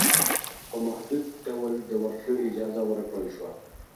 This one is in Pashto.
په محدود ډول دورتلو اجازه ورکړل شوه